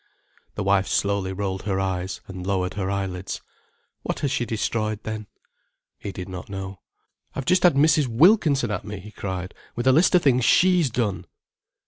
The wife slowly rolled her eyes and lowered her eyelids. "What has she destroyed, then?" He did not know. "I've just had Mrs. Wilkinson at me," he cried, "with a list of things she's done."